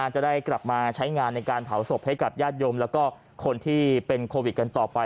จะได้กลับมาใช้งานในการเผาศพให้กับญาติโยมแล้วก็คนที่เป็นโควิดกันต่อไป